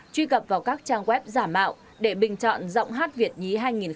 truy cập vào các trang web giả mạo để bình chọn giọng hát việt nhí hai nghìn hai mươi